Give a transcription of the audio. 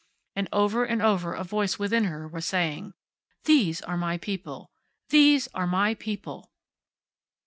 And over and over a voice within her was saying: These are my people! These are my people!